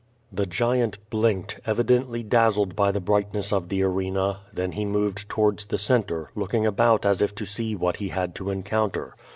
The giant blinked, evidently dazzled by the brightness of the arena: then he moved towards the centre, looking about as if to see what he had to encounter.